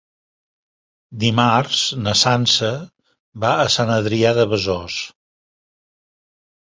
Dimarts na Sança va a Sant Adrià de Besòs.